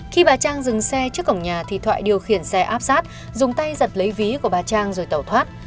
khi bà trang dừng xe trước cổng nhà thì thoại điều khiển xe áp sát dùng tay giật lấy ví của bà trang rồi tẩu thoát